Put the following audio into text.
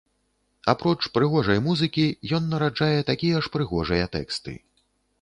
Апроч прыгожай музыкі, ён нараджае такія ж прыгожыя тэксты.